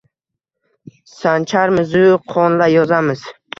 Sancharmizu qon-la yozamiz